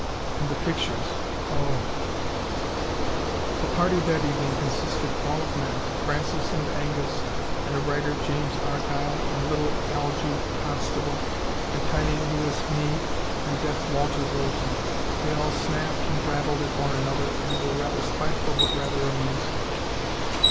And the pictures! Oh " The party that evening consisted all of men: Francis and Angus, and a writer, James Argyle, and little Algy Constable, and tiny Louis Mee, and deaf Walter Rosen. They all snapped and rattled at one another, and were rather spiteful but rather amusing.